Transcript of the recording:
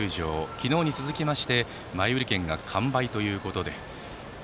昨日に続いて前売り券が完売ということです。